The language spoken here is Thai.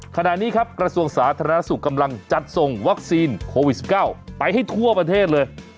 ขณะนี้ครับกระทรวงสาธารณสุขกำลังจัดส่งวัคซีนโควิด๑๙ไปให้ทั่วประเทศเลย